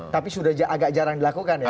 tapi sudah agak jarang dilakukan ya